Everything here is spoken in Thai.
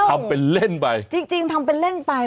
ทำเป็นเล่นไปจริงทำเป็นเล่นไป